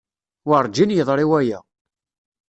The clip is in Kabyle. Werǧin yeḍri waya.